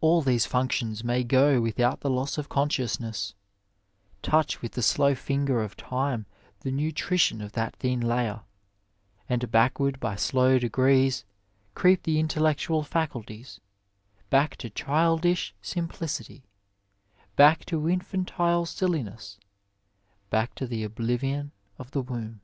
All these func tions may go without the loss of consciousness. Touch with the slow finger of Time the nutrition of that thin 91 Digitized by VjOOQIC TflE LEAVEN OF SCIENCE lajer, and baokwaid by slow degrees cieep the intellectual faculties, back to childish simplicity^ back to in&ntile silliness, back to the oblivion of the womb.